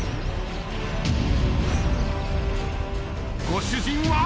ご主人は。